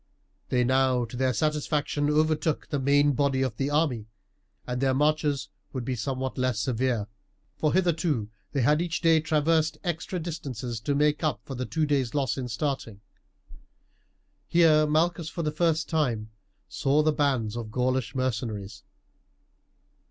They now to their satisfaction overtook the main body of the army, and their marches would be somewhat less severe, for hitherto they had each day traversed extra distances to make up for the two days' loss in starting. Here Malchus for the first time saw the bands of Gaulish mercenaries.